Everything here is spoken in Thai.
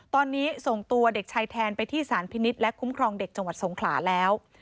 ตอนนี้ส่งตัวเด็กชายแทนไปที่สารพินิษฐ์และคุ้มครองเด็กจังหวัดสงขลาแล้ว